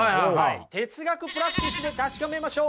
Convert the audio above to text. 哲学プラクティスで確かめましょう。